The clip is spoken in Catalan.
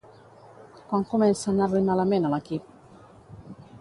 Quan comença a anar-li malament a l'equip?